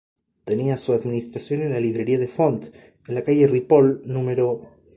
Tenía su Administración en la librería de Font, en la calle Ripoll, núm.